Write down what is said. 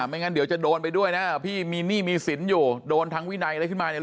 ไม่งั้นเดี๋ยวจะโดนไปด้วยนะพี่มีหนี้มีสินอยู่โดนทางวินัยอะไรขึ้นมาเนี่ย